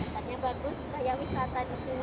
karena bagus kayak wisata di sini